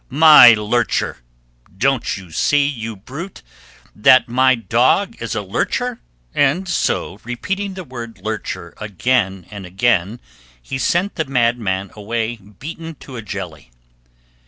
my lurcher! Don't you see, you brute, that my dog is a lurcher?" and so, repeating the word "lurcher" again and again, he sent the madman away beaten to a jelly.